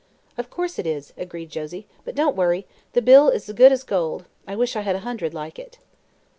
"Of course it is," agreed Josie. "But don't worry. The bill is good as gold. I wish I had a hundred like it."